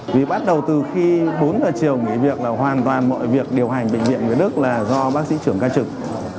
vì bắt đầu từ khi bốn giờ chiều nghỉ việc là hoàn toàn mọi việc điều hành bệnh viện việt đức là do bác sĩ trưởng ca trực